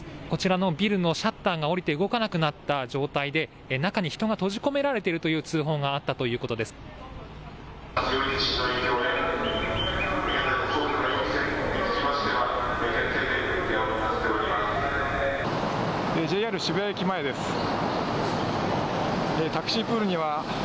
こちらのビルのシャッターが下りて動かなくなった状態で中に人が閉じ込められているという通報があったということです。